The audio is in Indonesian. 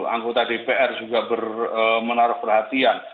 anggota dpr juga menaruh perhatian